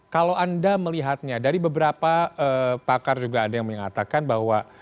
kalau anda melihatnya dari beberapa pakar juga ada yang mengatakan bahwa